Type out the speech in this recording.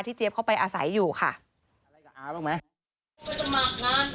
ที่เจ๊บเขาไปอาศัยอยู่ค่ะอะไรกับอ๋อบ้างไหมไปสมัครงาน